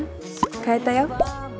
買えたよ。